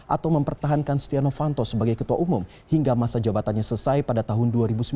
atau mempertahankan setia novanto sebagai ketua umum hingga masa jabatannya selesai pada tahun dua ribu sembilan belas